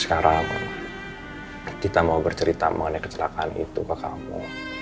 sekarang kita mau bercerita mengenai kecelakaan itu ke kamu